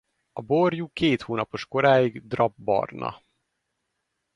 A borjú két hónapos koráig drapp-barna.